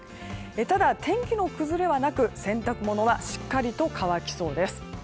ただ、天気の崩れはなく洗濯物はしっかりと乾きそうです。